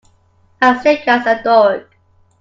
As sick as a dog.